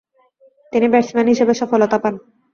তিনি ব্যাটসম্যান হিসেবে সফলতা পান।